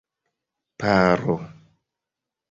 paro